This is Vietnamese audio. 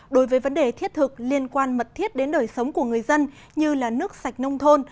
đối với vấn đề thiết thực liên quan mật thiết đến đời sống của người dân như là nước sạch nông thôn